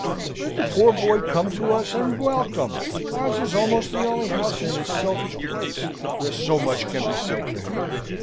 "Let the poor boy come to us and welcome: ours is almost the only house in this selfish place where so much can be said for him.